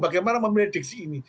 bagaimana memilih diksi ini